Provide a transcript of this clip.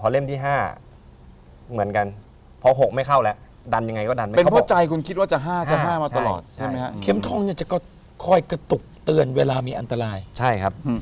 เรื่องปกติโอเคผมก็เดินลงไป